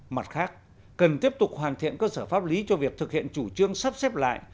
mặt khác cần tiếp tục hoàn thiện cơ sở pháp lý cho việc thực hiện chủ trương sắp xếp lại